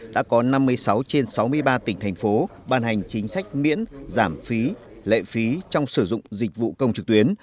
đã có năm mươi sáu trên sáu mươi ba tỉnh thành phố ban hành chính sách miễn giảm phí lệ phí trong sử dụng dịch vụ công trực tuyến